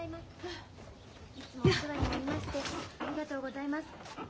いつもお世話になりましてありがとうございます。